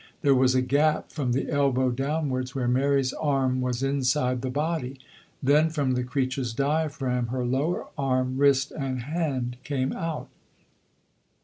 There was a gap from the elbow downwards where Mary's arm was inside the body; then from the creature's diaphragm her lower arm, wrist and hand came out.